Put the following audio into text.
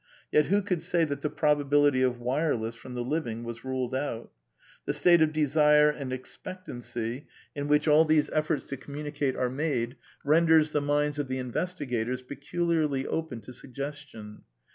Yet who could say that the probability of wireless from the living was ruled out? The state of desire and expectancy, in which all these efforts to communicate are made, renders the minds of the investigators peculiarly open to sugges tion.